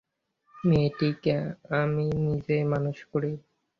মেয়েটিকে আমি নিজেই মানুষ করি।